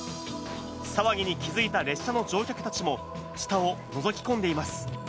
騒ぎに気付いた列車の乗客たちも、下をのぞき込んでいます。